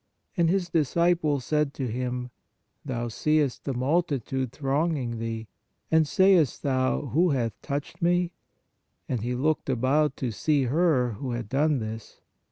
And His disciples said to Him : Thou seest the multitude thronging Thee, and sayest Thou, Who hath touched Me? And He looked about to see her who had done this.